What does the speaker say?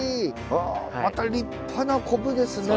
また立派なコブですね。